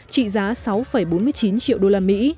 trị giá sáu bốn mươi chín triệu đô la mỹ